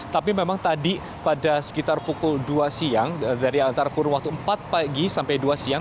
tapi memang tadi pada sekitar pukul dua siang dari antara kurun waktu empat pagi sampai dua siang